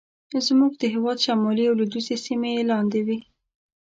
زموږ د هېواد شمالي او لوېدیځې سیمې یې لاندې وې.